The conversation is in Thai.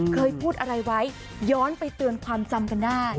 เคยพูดอะไรไว้ย้อนไปเตือนความจำกันได้